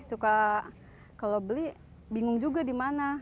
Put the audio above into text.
suka kalau beli bingung juga di mana